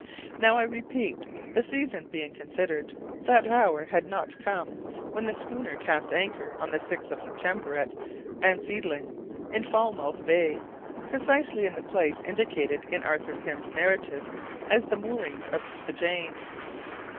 Now, I repeat, the season being considered, that hour had not come, when the schooner cast anchor on the 6th of September at Ansiedling, in Falmouth Bay, precisely in the place indicated in Arthur Pym's narrative as the moorings of the Jane.